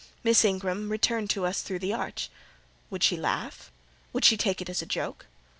Miss Ingram returned to us through the arch. Would she laugh? Would she take it as a joke?